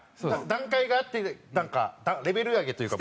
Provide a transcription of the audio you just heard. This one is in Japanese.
段階があってなんかレベル上げというか。